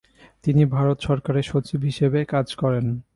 তিনি ভারত সরকারের সচিব হিসেবে কাজ করেন।